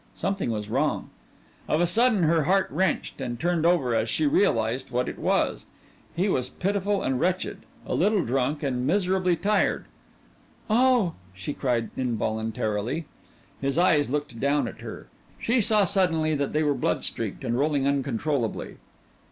Something was wrong. Of a sudden her heart wrenched, and turned over as she realized what it was. He was pitiful and wretched, a little drunk, and miserably tired. "Oh " she cried involuntarily. His eyes looked down at her. She saw suddenly that they were blood streaked and rolling uncontrollably.